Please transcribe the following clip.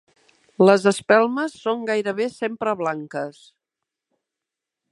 Les espelmes són gairebé sempre blanques.